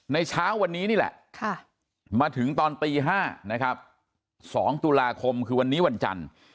เช้าวันนี้นี่แหละมาถึงตอนตี๕นะครับ๒ตุลาคมคือวันนี้วันจันทร์